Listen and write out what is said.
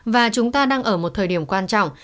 và chúng ta đang ở một thời điểm quan trọng